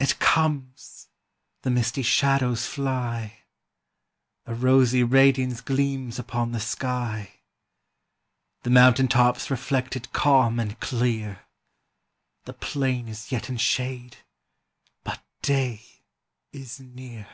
it comes! the misty shadows fly: A rosy radiance gleams upon the sky; The mountain tops reflect it calm and clear, The plain is yet in shade, but day is near."